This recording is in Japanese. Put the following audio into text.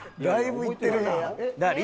「だいぶいってるな」